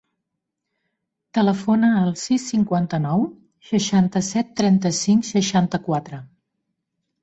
Telefona al sis, cinquanta-nou, seixanta-set, trenta-cinc, seixanta-quatre.